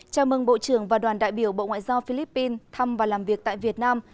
chào mừng bộ trưởng và đoàn đại biểu bộ ngoại giao philippines thăm và làm việc tại việt nam